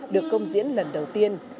được công diễn lần đầu tiên